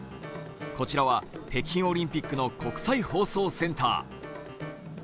こちらは、北京オリンピックの国際放送センター。